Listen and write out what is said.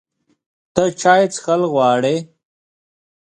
ته چای څښل غواړې؟